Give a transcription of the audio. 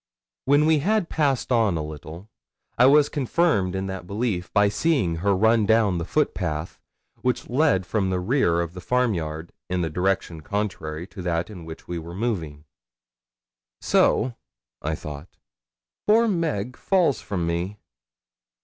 When we had passed on a little, I was confirmed in that belief by seeing her run down the footpath which led from the rear of the farm yard in the direction contrary to that in which we were moving. 'So,' I thought, 'poor Meg falls from me!'